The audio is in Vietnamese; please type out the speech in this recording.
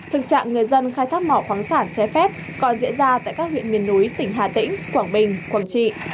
thực trạng người dân khai thác mỏ khoáng sản trái phép còn diễn ra tại các huyện miền núi tỉnh hà tĩnh quảng bình quảng trị